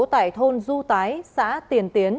tại thôn du tái xã tiền tiến